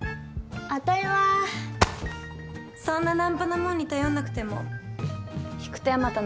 あたいはそんな軟派なもんに頼んなくても引く手あまた